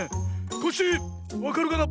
コッシーわかるかな？